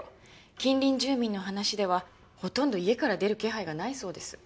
近隣住民の話ではほとんど家から出る気配がないそうです。